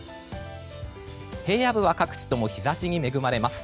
平野部は各地とも日差しに恵まれます。